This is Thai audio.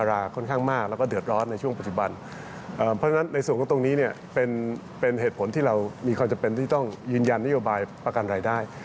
เราก็ตรงนี้เป็นเหตุผลที่เรามีความจำเป็นที่ต้องยืนยันโยบายประกันรายได้